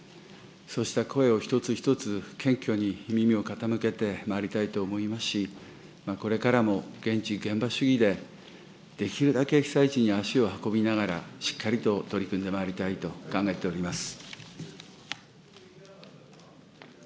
そうした声を一つ一つ、謙虚に耳を傾けてまいりたいと思いますし、これからも現地現場主義で、できるだけ被災地に足を運びながら、しっかりと取り組んでまいりたいと考えております。